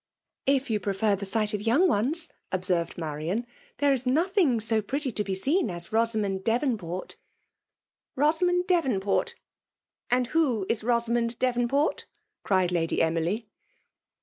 «' If you prefer the sight of young ones^" observed Marian^ ^' tha*e is nothing so pretty to be seen as Bosamond Devonport" '' Sosamond Devonport — and who is Bosa^ mand Devonport ?" cried Lady Emily.